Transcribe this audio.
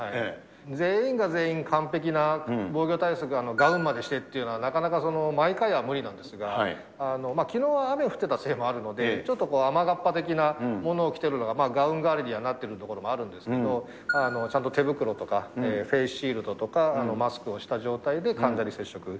全員が全員、完璧な防御対策、ガウンまでしてっていうのは、なかなか毎回は無理なんですが、きのう、雨が降っていたせいもあるので、ちょっと雨がっぱ的なものを着てるのが、ガウン代わりにはなっているところもあるんですけれども、ちゃんと手袋とか、フェイスシールドとか、マスクをした状態で患者に接触。